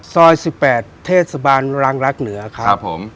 ซอย๑๘เทศบาลรังรักเหนือครับผม